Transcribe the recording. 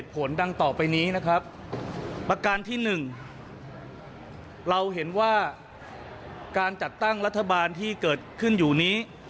ประการที่๑เราเห็นว่าการจัดตั้งรัฐบาลที่เกิดขึ้นอยู่นี้